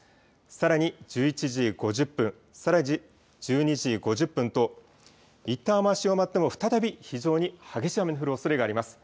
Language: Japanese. さらに１１時５０分、さらに１２時５０分と、いったん雨足が弱まっても、再び非常に激しい雨の降るおそれがあります。